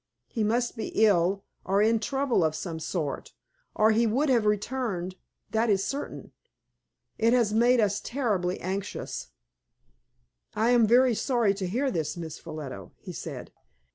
He must be ill, or in trouble of some sort, or he would have returned, that is certain. It has made us terribly anxious." "I am very sorry to hear this, Miss Ffolliot," he said.